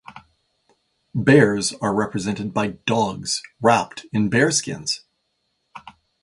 Bears are represented by dogs wrapped in bearskins.